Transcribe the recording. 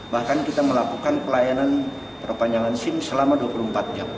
bahkan kita melakukan pelayanan perpanjangan sim selama dua puluh empat jam